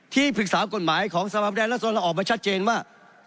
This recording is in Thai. ที่ปรึกษากฎหมายของสภาพแรศดรออกมาชัดเจนว่า